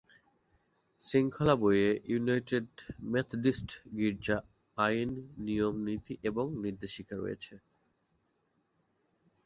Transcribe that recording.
শৃঙ্খলা বইয়ে United Methodist গীর্জা আইন, নিয়ম, নীতি এবং নির্দেশিকা রয়েছে।